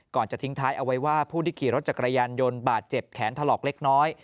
จะทิ้งท้ายเอาไว้ว่าผู้ที่ขี่รถจักรยานยนต์บาดเจ็บแขนถลอกเล็กน้อย